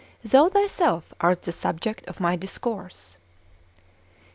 Thou thyself art the subject of my discourse.